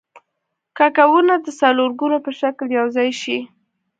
کوکونه د څلورګونو په شکل یوځای شي.